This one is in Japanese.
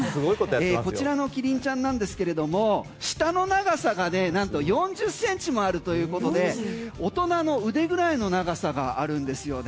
こちらのキリンちゃんなんですけれども舌の長さがなんと４０センチもあるということで大人の腕ぐらいの長さがあるんですよね。